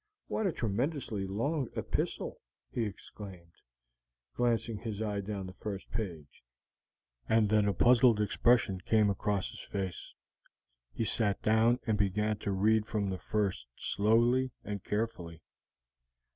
What a tremendously long epistle!" he exclaimed, glancing his eye down the first page, and then a puzzled expression came across his face; he sat down and began to read from the first slowly and carefully.